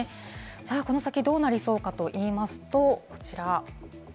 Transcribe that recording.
この先、どうなりそうかといいますとこちら。